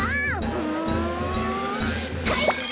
うんかいか！